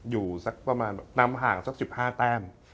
อยู่สักประมาณนำห่างสัก๑๕แต้ม